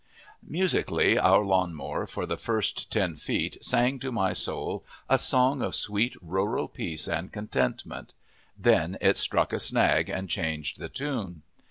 Musically, our lawn mower for the first ten feet sang to my soul a song of sweet, rural peace and contentment. Then it struck a snag and changed the tune.